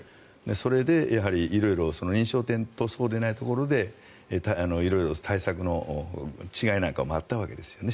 それでやはり色々認証店とそうでないところで対策の違いなんかもあったわけですよね。